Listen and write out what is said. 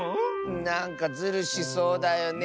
なんかズルしそうだよねえ。